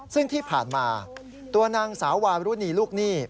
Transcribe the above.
ซึ่งที่ผ่านมาตัวนางสาววารุณีลูกหนี้